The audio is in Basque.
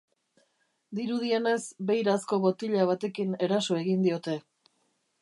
Dirudienez, beirazko botila batekin eraso egin diote.